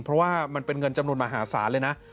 เพราะว่ามันเป็นเงินจำนวนมหาศาลเลยนะ